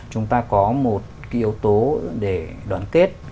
chúng ta có một yếu tố để đoàn kết